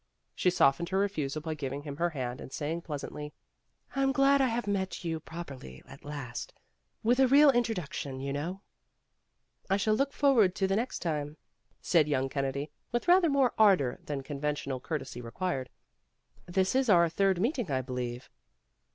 She softened her refusal by giving him her hand and saying pleasantly, "I'm glad to have met you prop erly at last, with a real introduction, you know. '' "I shall look forward to the next time," said 294 PEGGY RAYMOND'S WAY young Kennedy, with rather more ardor than conventional courtesy required. "This is our third meeting, I believe.